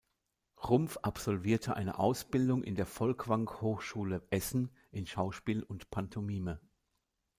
Rumpf absolvierte eine Ausbildung in der Folkwang Hochschule Essen in Schauspiel und Pantomime.